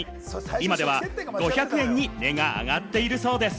今では５００円に値が上がっているそうです。